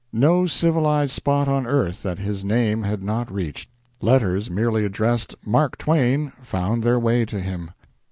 No civilized spot on earth that his name had not reached. Letters merely addressed "Mark Twain" found their way to him.